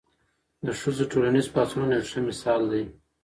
د ښځو ټولنیز پاڅونونه یو ښه مثال دی.